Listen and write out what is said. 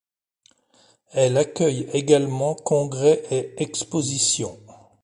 Elle accueille également congrès et expositions.